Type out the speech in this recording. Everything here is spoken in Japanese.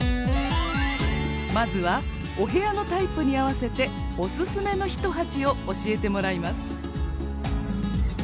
まずはお部屋のタイプに合わせてオススメの一鉢を教えてもらいます。